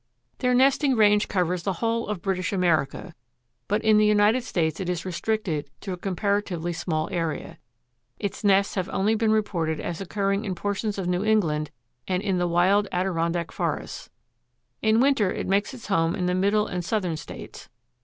Their nesting range covers the whole of British America, but in the United States it is restricted to a comparatively small area. Its nests have only been reported as occurring in portions of New England and in the wild Adirondack forests. In winter it makes its home in the Middle and Southern States.